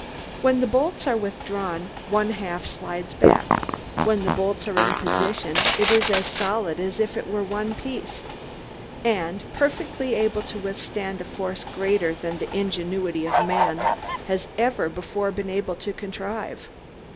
When the bolts are withdrawn one half slides back; when the bolts are in position it is as solid as if it were in one piece, and perfectly able to withstand a force greater than the ingenuity of man has ever before been able to contrive.